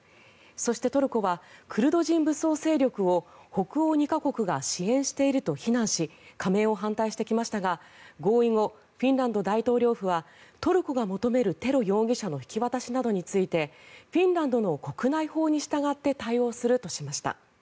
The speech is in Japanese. そして、トルコはクルド人武装勢力を北欧２か国が支援していると非難し加盟を反対してきましたが合意後、フィンランド大統領府はトルコが求めるテロ容疑者の引き渡しなどについてフィンランドの国内法に従って対応するとしました。